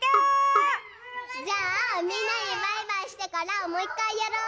じゃあみんなにバイバイしてからもういっかいやろう！